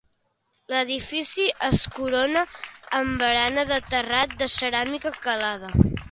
L'edifici es corona amb barana de terrat de ceràmica calada.